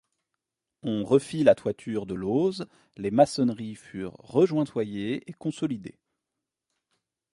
On refit la toiture de lauze, les maçonneries furent rejointoyées et consolidées.